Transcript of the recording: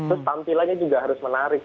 terus tampilannya juga harus menarik